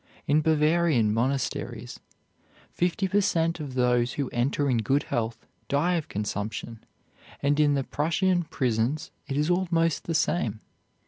In Bavarian monasteries, fifty per cent. of those who enter in good health die of consumption, and in the Prussian prisons it is almost the same.